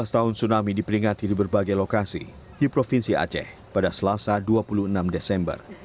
tujuh belas tahun tsunami diperingati di berbagai lokasi di provinsi aceh pada selasa dua puluh enam desember